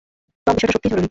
Tom, বিষয়টা সত্যিই জরুরী!